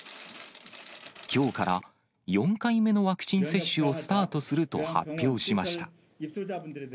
きょうから４回目のワクチン接種をスタートすると発表しました。